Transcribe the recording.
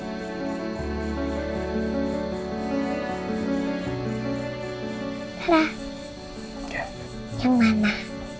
apa yang kamu lakukan